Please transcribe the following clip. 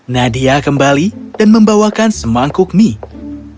nadia kembali dan membawakan semangkuk mie